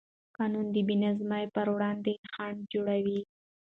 قانون د بېنظمۍ پر وړاندې خنډ جوړوي.